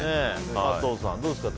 加藤さん、どうですか？